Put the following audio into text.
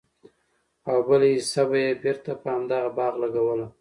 او بله حيصه به ئي بيرته په همدغه باغ لګوله!!